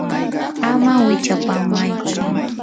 ama wichyapamaytsu.